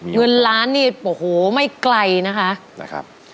เงินล้านนี้โหไม่ไกลเบาะ